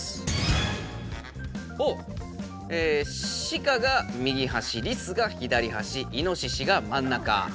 シカが右はしリスが左はしイノシシがまん中。